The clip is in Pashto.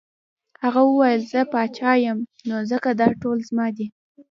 هغه وویل زه پاچا یم نو ځکه دا ټول زما دي.